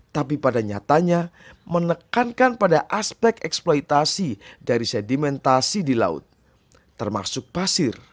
tapi pada nyatanya menekankan pada aspek eksploitasi dari sedimentasi di laut termasuk pasir